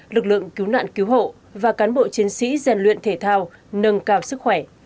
lực lượng cứu nạn cứu hộ và cán bộ chiến sĩ giàn luyện thể thao nâng cao sức khỏe